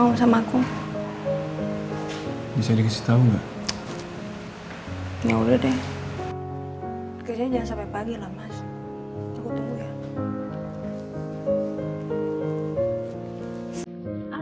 hidung saya kalau pesek gimana